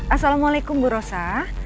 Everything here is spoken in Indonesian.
assalamualaikum bu rosa